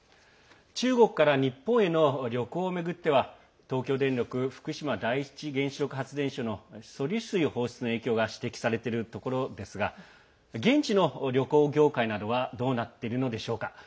中国から日本への旅行を巡っては東京電力福島第一原子力発電所の処理水放出の影響が指摘されているところですが現地の旅行業界などはどうなっているのでしょうか。